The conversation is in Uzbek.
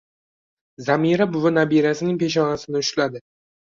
Zamira buvi nabirasining peshonasini ushladi